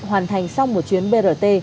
hoàn thành xong một chuyến brt